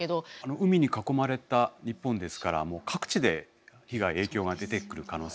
海に囲まれた日本ですから各地で被害影響が出てくる可能性がある。